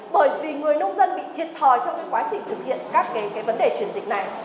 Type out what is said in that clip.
bởi vì người nông dân bị thiệt thòi trong quá trình thực hiện các vấn đề chuyển dịch này